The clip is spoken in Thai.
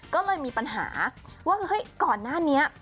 ก็เลยมีปัญหาว่าเฮ้ยก่อนหน้านี้